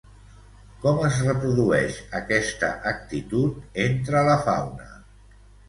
Com es reprodueix aquesta actitud entre la fauna?